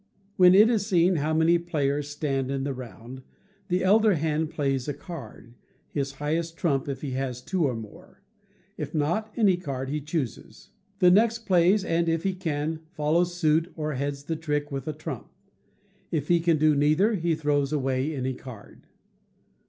When it is seen how many players stand in the round, the elder hand plays a card his highest trump if he has two or more; if not, any card he chooses. The next plays, and, if he can, follows suit or heads the trick with a trump. If he can do neither, he throws away any card.